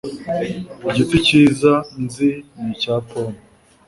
igiti kiza nzi ni icya pomme